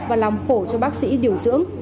và làm khổ cho bác sĩ điều dưỡng